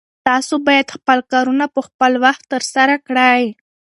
تاسو باید خپل کارونه په خپل وخت ترسره کړئ.